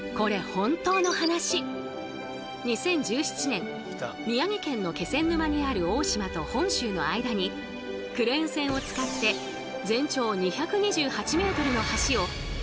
２０１７年宮城県の気仙沼にある大島と本州の間にクレーン船を使って全長２２８ｍの橋をわずか１日で架けたんだとか！